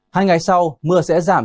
hai ngày sau mưa sẽ giảm